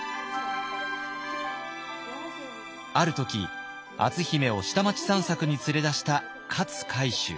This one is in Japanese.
ある時篤姫を下町散策に連れ出した勝海舟。